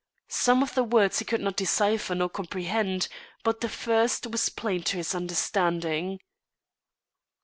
Some of the words he could not decipher nor comprehend, but the first was plain to his understanding.